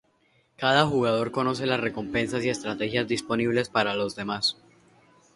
Cada jugador conoce las recompensas y estrategias disponibles para los demás.